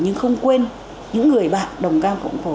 nhưng không quên những người bạn đồng cao cộng phổ